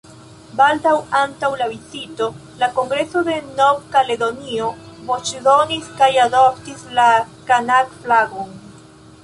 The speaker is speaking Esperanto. Baldaŭ antaŭ la vizito, la Kongreso de Nov-Kaledonio voĉdonis kaj adoptis la Kanak-flagon.